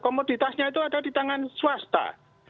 komoditasnya itu ada di tangan swasta